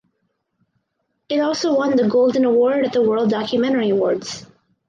It also won the Golden Award at the World Documentary Awards.